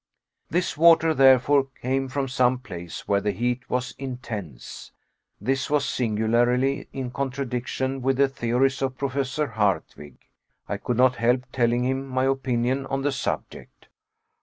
This water, therefore, came from some place where the heat was intense. This was singularly in contradiction with the theories of Professor Hardwigg. I could not help telling him my opinion on the subject.